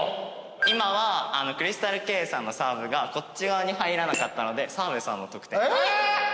今はクリスタルケイさんのサーブがこっち側に入らなかったので澤部さんの得点。え！